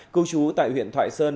cưu trú tại huyện thoại sơn